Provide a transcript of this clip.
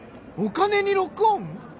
お金にロックオン！？